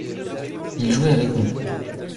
Il jouait avec nous.